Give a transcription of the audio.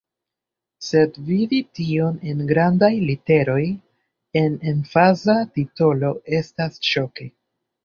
Sed vidi tion en grandaj literoj, en emfaza titolo estas ŝoke.